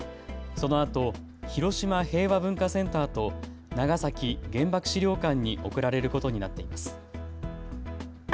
そのあと広島平和文化センターと長崎原爆資料館に贈られることになっています。